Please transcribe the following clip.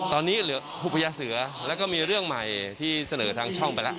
ตอนนี้เหลือครูพญาเสือแล้วก็มีเรื่องใหม่ที่เสนอทางช่องไปแล้ว